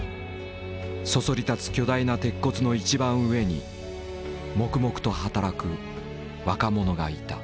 そそり立つ巨大な鉄骨の一番上に黙々と働く若者がいた。